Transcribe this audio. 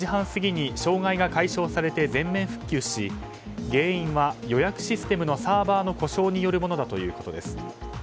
午後２時半過ぎに障害が解消されて全面復旧し原因は予約システムのサーバーの故障によるものだということです。